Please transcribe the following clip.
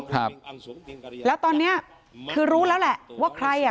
ครับแล้วตอนเนี้ยคือรู้แล้วแหละว่าใครอ่ะ